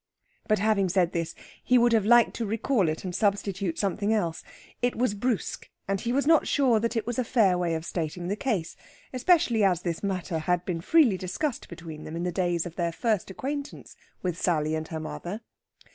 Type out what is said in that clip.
But having said this, he would have liked to recall it and substitute something else. It was brusque, and he was not sure that it was a fair way of stating the case, especially as this matter had been freely discussed between them in the days of their first acquaintance with Sally and her mother.